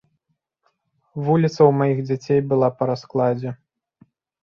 Вуліца ў маіх дзяцей была па раскладзе.